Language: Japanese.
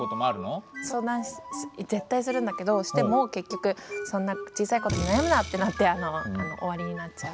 相談絶対するんだけどしても結局「そんな小さい事で悩むな！」ってなって終わりになっちゃう。